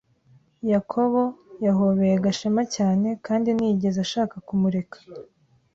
Yakobo yahobeye Gashema cyane kandi ntiyigeze ashaka kumureka.